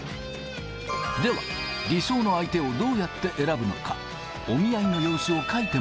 では、理想の相手をどうやって選ぶのか。